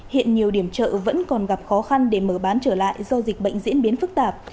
hiện nhiều điểm chợ vẫn còn gặp khó khăn để mở bán trở lại do dịch bệnh diễn biến phức tạp